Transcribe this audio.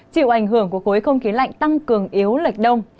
chịu ảnh hưởng của khối không khí lạnh tăng cường yếu lệch đông